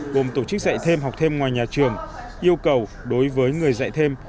gồm tổ chức dạy thêm học thêm ngoài nhà trường yêu cầu đối với người dạy thêm